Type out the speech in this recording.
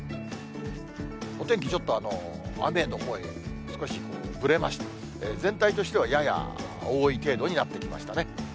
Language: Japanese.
お天気、ちょっと雨のほうへ、少しふれまして、全体としてはやや多い程度になってきましたね。